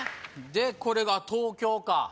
これが東京か。